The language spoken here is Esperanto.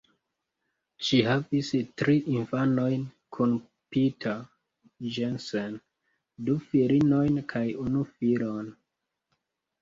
Ŝi havis tri infanojn kun Peter Jensen, du filinojn kaj unu filon.